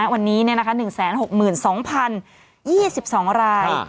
วันนี้๑๖๒๐๒๒ราย